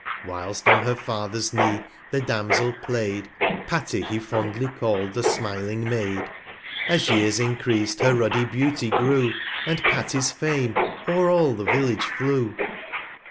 Whilst on her Father's Knee the Damsel play'd, Tatty he fondly calPd the smiling Maid; 230 As Years increas'd, her ruddy Beauty grew, And Pattys Fame o'er all the Village flew.